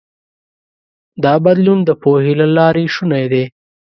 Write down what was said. دا بدلون د پوهې له لارې شونی دی.